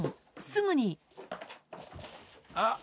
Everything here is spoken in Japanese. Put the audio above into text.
すぐにあっ。